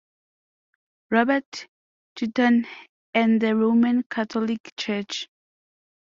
Robert Twiton, and the Roman Catholic Church.